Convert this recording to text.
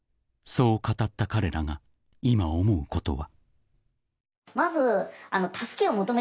［そう語った彼らが今思うことは］